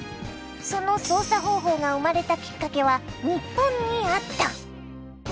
その捜査方法が生まれたきっかけは日本にあった！